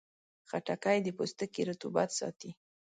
خټکی د پوستکي رطوبت ساتي.